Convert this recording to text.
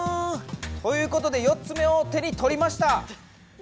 ということで４つ目を手にとりました。